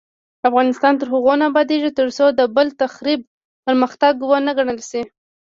افغانستان تر هغو نه ابادیږي، ترڅو د بل تخریب پرمختګ ونه ګڼل شي.